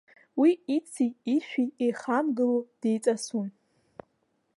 Уи ици-ишәи еихамгыло деиҵасуан.